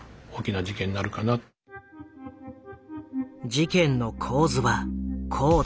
事件の構図はこうだ。